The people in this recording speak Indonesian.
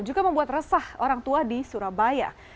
juga membuat resah orang tua di surabaya